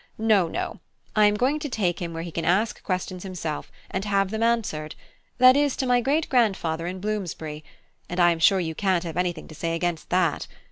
No, no: I am going to take him where he can ask questions himself, and have them answered; that is, to my great grandfather in Bloomsbury: and I am sure you can't have anything to say against that.